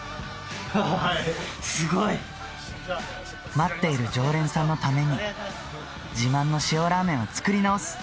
すごい！待っている常連さんのために、自慢の塩らーめんを作り直す。